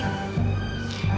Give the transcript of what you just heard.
dan mengajak kamila pergi